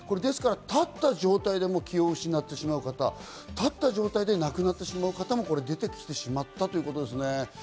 立った状態で気を失ってしまう方、亡くなってしまう方も出てきてしまったということですよね。